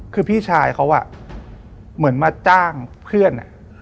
คือพี่ชายเขาเหมือนมาจ้างเพื่อน